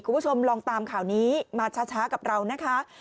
คุณผู้ชมลองตามข่าวนี้มาช้ากับเรานะคะ